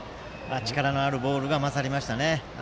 力のあるボールが勝りましたね。